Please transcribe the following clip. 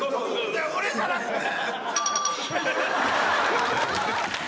いや俺じゃなくて！